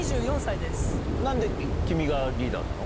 君がリーダーなの？